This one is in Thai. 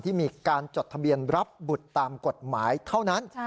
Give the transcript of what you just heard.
ที่มีการจดทะเบียนรับบุตรตามกฎหมายเท่านั้น